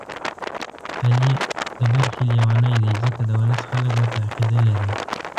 علي د برخې لېونی دی، ځکه د ولس خلک ورته عقیده لري.